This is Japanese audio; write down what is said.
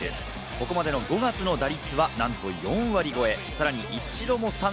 ここまでの５月の打率はなんと４割超え。